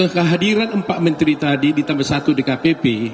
kehadiran empat menteri tadi ditambah satu dkpp